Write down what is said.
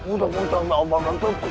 untuk mencari obat untukku